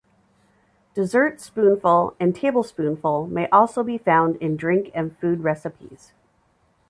Dessert spoonful and tablespoonful may also be found in drink and food recipes.